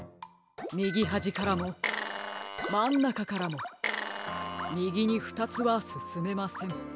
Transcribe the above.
みぎはじからもまんなかからもみぎにふたつはすすめません。